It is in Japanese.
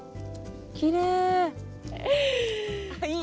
きれい！